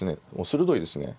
鋭いですね